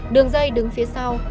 đường dây đứng phía sau